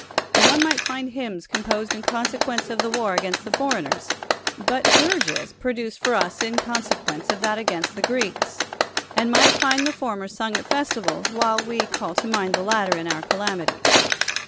xVnd one might finds hymns composed in conserpience of the war against th(i forci^ni^'s, luit dirges produced for us in cons('(juence of that agaijist the CJreeks, and might find the former sung at the festivals, while we call to n'.'ind the latter in our calan;i ties.